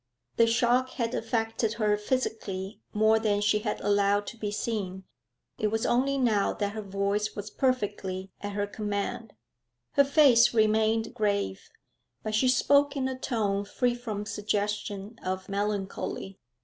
The shock had affected her physically more than she had allowed to be seen; it was only now that her voice was perfectly at her command. Her face remained grave, but she spoke in a tone free from suggestion of melancholy.